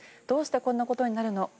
どうしてこんなことになるの？